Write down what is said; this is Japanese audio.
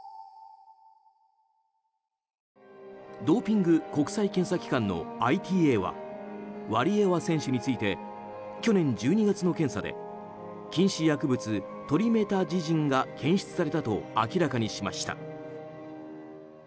ドーピング国際検査機関のＩＴＡはワリエワ選手について去年１２月の検査で禁止薬物トリメタジジンが検出されたと明らかにしました。